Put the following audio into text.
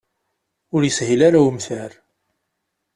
Ur yeshil ara umtar.